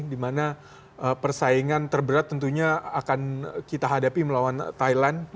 di mana persaingan terberat tentunya akan kita hadapi melawan thailand